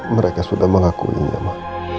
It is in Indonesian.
mereka sudah mengakuinya mak